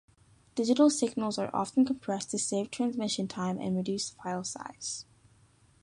Digital signals are often compressed to save transmission time and reduce file size.